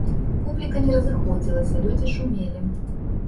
Публіка не разыходзілася, людзі шумелі.